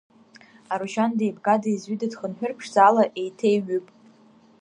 Арушьан деибга-деизҩыда дхынҳәыр, ԥшӡала, еиҭеиҩып.